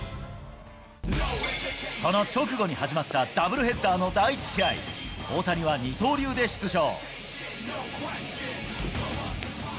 その直後に始まったダブルヘッダーの第１試合、大谷は二刀流で出場。